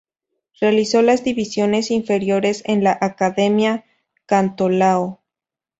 Realizó las divisiones inferiores en la Academia Cantolao.